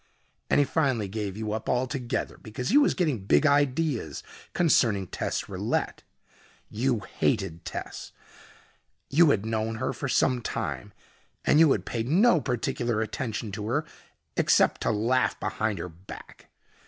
And he finally gave you up altogether because he was getting big ideas concerning Tess Rillette. You hated Tess. You had known her for some time and you had paid no particular attention to her, except to laugh behind her back.